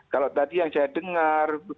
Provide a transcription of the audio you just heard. kalau tadi yang saya dengar